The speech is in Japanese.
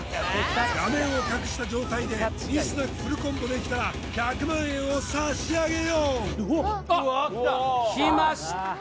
画面を隠した状態でミスなくフルコンボできたら１００万円を差し上げよううわっ来ました